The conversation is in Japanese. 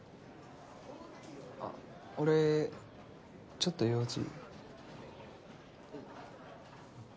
あっ俺ちょっと用事。